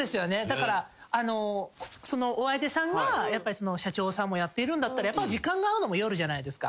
だからあのそのお相手さんが社長さんもやっているんだったら時間が合うのも夜じゃないですか。